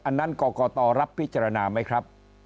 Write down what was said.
อันนั้นกรกตรับพิจารณาไหมครับ